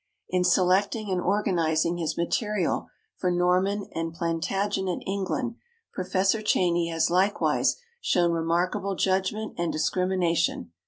In selecting and organizing his material for Norman and Plantagenet England Professor Cheyney has likewise shown remarkable judgment and discrimination.